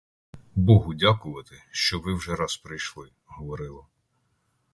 Богу дякувати, що ви вже раз прийшли, — говорила.